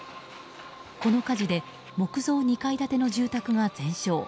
この火事で木造２階建ての住宅が全焼。